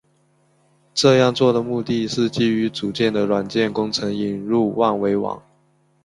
这样做的目的是将基于组件的软件工程引入万维网。